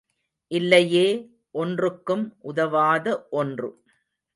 இல்லையே ஒன்றுக்கும் உதவாத ஒன்று.